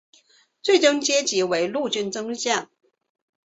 最终阶级为陆军中将。